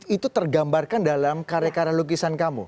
itu tergambarkan dalam karya karya lukisan kamu